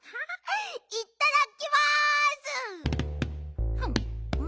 いただきます！